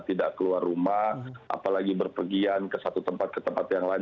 tidak keluar rumah apalagi berpergian ke satu tempat ke tempat yang lain